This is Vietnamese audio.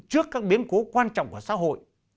trước các biến cố quan trọng của xã hội